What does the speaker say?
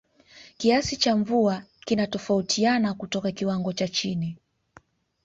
Kiasi cha mvua kinatofautiana kutoka kiwango cha chini